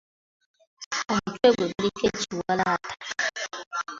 Omutwe gwe guliko ekiwalaata.